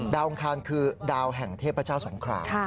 อังคารคือดาวแห่งเทพเจ้าสงคราม